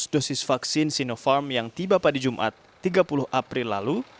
empat ratus delapan puluh dua empat ratus dosis vaksin sinopharm yang tiba pada jumat tiga puluh april lalu